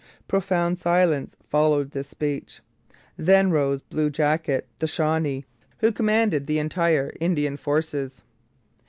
Profound silence followed this speech. Then rose Blue Jacket, the Shawnee, who commanded the entire Indian forces.